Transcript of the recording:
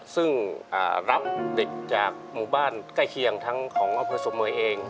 ซึ่งรับเด็กจากมุมบ้านใกล้เคียงทั้งของพศเอง